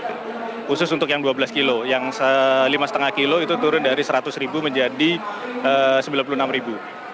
khusus untuk yang dua belas kilo yang lima lima kilo itu turun dari seratus ribu menjadi rp sembilan puluh enam